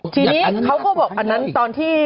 ทีนี้เขาก็บอกอันนั้นตอนที่